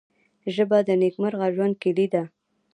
ژبه د نیکمرغه ژوند کلۍ ده